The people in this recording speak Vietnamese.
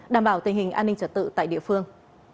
đảm bảo tình hình an ninh trật tự tại địa phương